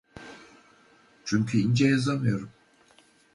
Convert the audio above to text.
Çünkü ince yazamıyorum.